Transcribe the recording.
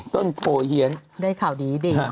ต้นโพเฮียนได้ข่าวดีดิ